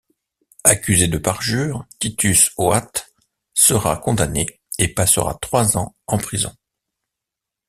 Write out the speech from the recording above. Accusé de parjure, Titus Oates sera condamné et passera trois ans en prison.